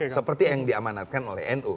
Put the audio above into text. seperti yang diamanatkan oleh nu